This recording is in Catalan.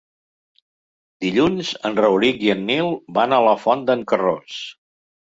Dilluns en Rauric i en Nil van a la Font d'en Carròs.